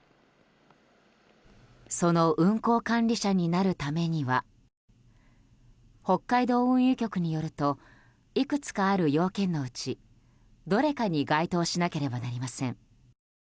その運航管理者になるためには北海道運輸局によるといくつかある要件のうちどれかに該当しなければなりません。